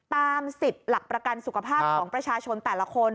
ตามสิทธิ์หลักประกันสุขภาพของประชาชนแต่ละคน